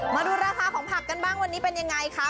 มาดูราคาของผักกันบ้างวันนี้เป็นยังไงคะ